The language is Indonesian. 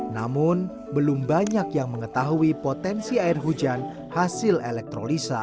namun belum banyak yang mengetahui potensi air hujan hasil elektrolisa